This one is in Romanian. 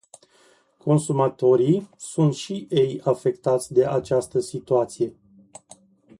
Consumatorii sunt și ei afectați de această situație.